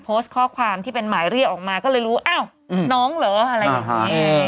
โพสต์ข้อความที่เป็นหมายเรียกออกมาก็เลยรู้อ้าวน้องเหรออะไรอย่างนี้